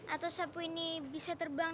atau sapu ini bisa terbang